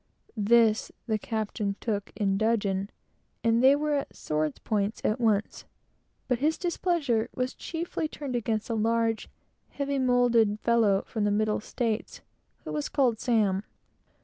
This, the captain took in dudgeon, and they were at sword's points at once. But his displeasure was chiefly turned against a large, heavy moulded fellow from the Middle States, who was called Sam.